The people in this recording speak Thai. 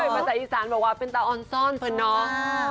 ภาษาอีสานบอกว่าเป็นเตาออนซ่อนเพื่อนน้อง